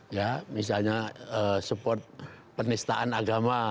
ya misalnya support penistaan agama